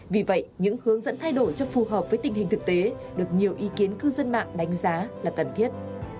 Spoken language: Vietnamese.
vì vậy những hướng dẫn thay đổi cho phù hợp với tình hình thực tế được nhiều ý kiến cư dân mạng đánh giá là cần thiết